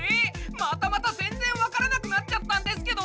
またまた全然わからなくなっちゃったんですけど！